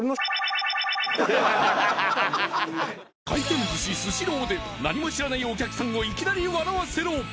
［回転寿司スシローで何も知らないお客さんをいきなり笑わせろ！］